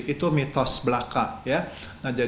itu mitos belaka